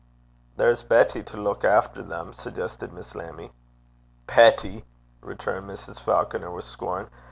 'There's Betty to luik efter them,' suggested Miss Lammie. 'Betty!' returned Mrs. Falconer, with scorn.